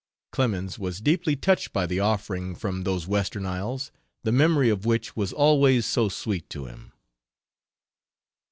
Clemens was deeply touched by the offering from those "western isles" the memory of which was always so sweet to him.